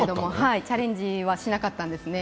チャレンジはしなかったんです。